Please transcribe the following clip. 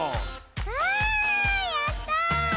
わあやった！